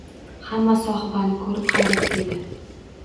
Hamma Sohibani ko`rib hayratda edi